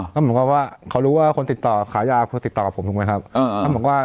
ก็เหมือนกับว่าเขารู้ว่าคนติดต่อขายยาคือติดต่อกับผมถูกไหมครับ